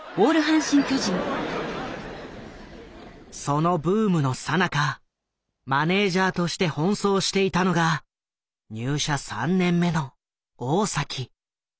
そのブームのさなかマネージャーとして奔走していたのが入社３年目の大。